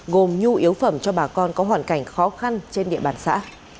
gồm nhu yếu phẩm cho bà con có hoàn cảnh khó khăn trên địa bàn xã